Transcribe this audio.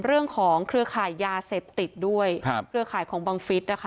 เรื่องของเครือข่ายยาเสพติดด้วยเครือข่ายของบังฟิศนะคะ